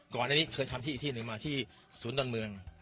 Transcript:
ก่อนอันนี้เคยทำที่อีกที่หนึ่งมาที่ศูนย์ดอนเมือง